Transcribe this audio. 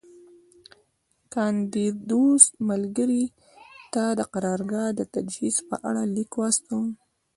کاندیدوس ملګري ته د قرارګاه د تجهیز په اړه لیک واستاوه